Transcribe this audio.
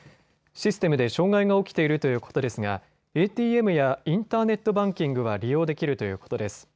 システムで障害が起きているということですがＡＴＭやインターネットバンキングは利用できるということです。